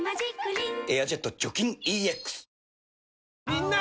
みんな！